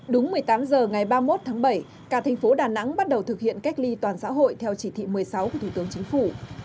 đúng một mươi tám h ngày ba mươi một tháng bảy cả thành phố đà nẵng bắt đầu thực hiện cách ly toàn xã hội theo chỉ thị một mươi sáu của thủ tướng chính phủ